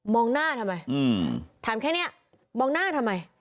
หน้าทำไมถามแค่นี้มองหน้าทำไม